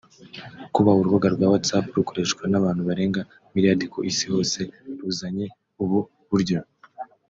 Kuba urubuga rwa ‘Whatsapp rukoreshwa n’abantu barenga milliard ku isi hose’ ruzanye ubu buryo